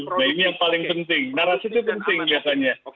nah ini yang paling penting narasi itu penting biasanya